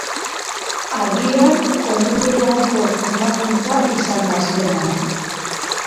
Agian ordu gehiagoko formakuntza izan da azkenean.